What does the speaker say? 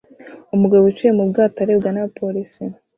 Umugabo wicaye mu bwato arebwa n'abapolisi